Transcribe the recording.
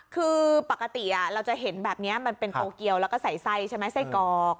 คือปกติเราจะเห็นแบบนี้มันเป็นโตเกียวแล้วก็ใส่ไส้ใช่ไหมไส้กรอก